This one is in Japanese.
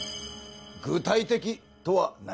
具体的とは何か。